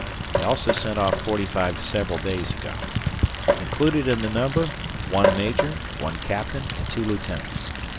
I also sent off forty five several days ago. Included in the number, one Major, one Captain and two lieutenants.